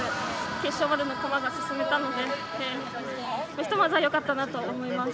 決勝まで、駒が進めたのでひとまずはよかったなと思います。